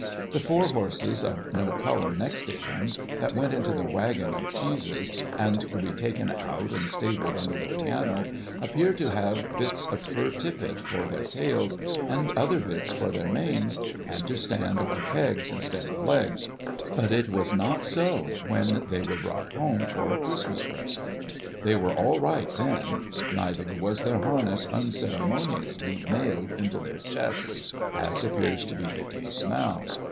The four horses of no colour, next to him, that went into the waggon of cheeses, and could be taken out and stabled under the piano, appear to have bits of fur tippet for their tails, and other bits for their manes, and to stand on pegs instead of legs, but it was not so when they were brought home for a Christmas present. They were all right, then ; neither was their harness unceremoniously nailed into their chests, as appears to be the case now.